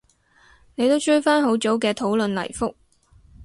你都追返好早嘅討論嚟覆